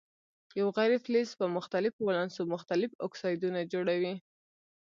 یو غیر فلز په مختلفو ولانسو مختلف اکسایدونه جوړوي.